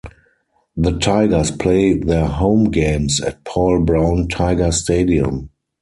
The Tigers play their home games at Paul Brown Tiger Stadium.